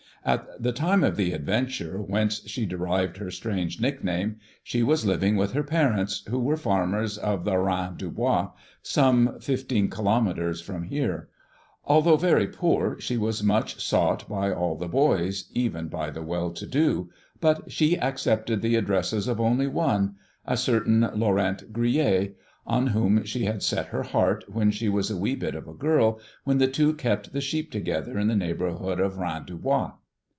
At the time of the adventure whence she derived her strange nickname she was living with her parents, who were farmers of the Rein du Bois, some fifteen kilometres from here. Although very poor, she was much sought by all the boys, even by the well to do; but she accepted the addresses of only one, a certain Laurent Grillet, on whom she had set her heart when she was a wee bit of a girl, when the two kept the sheep together in the neighborhood of Rein du Bois.